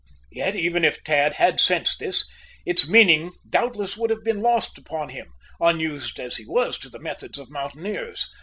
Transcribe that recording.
Yet, even if Tad had sensed this, its meaning doubtless would have been lost upon him, unused as he was to the methods of mountaineers.